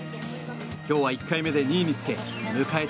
今日は１回目で２位につけ迎えた